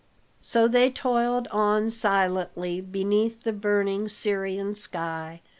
So they toiled on silently beneath the burning Syrian sky.